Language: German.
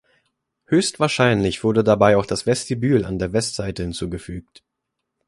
Höchstwahrscheinlich wurde dabei auch das Vestibül an der Westseite hinzugefügt.